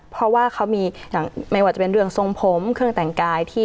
เพราะว่าเขามีอย่างไม่ว่าจะเป็นเรื่องทรงผมเครื่องแต่งกายที่